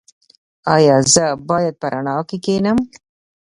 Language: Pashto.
ایا زه باید په رڼا کې کینم؟